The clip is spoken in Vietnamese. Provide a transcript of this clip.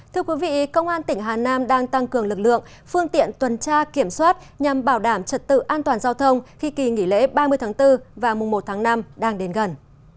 thưa quý vị công an tỉnh hà nam đang tăng cường lực lượng phương tiện tuần tra kiểm soát nhằm bảo đảm trật tự an toàn giao thông khi kỳ nghỉ lễ ba mươi tháng bốn và mùa một tháng năm đang đến gần